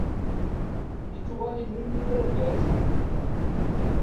I tuɣalin melmi ay argaz?